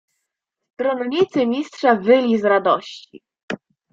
"Stronnicy Mistrza wyli z radości."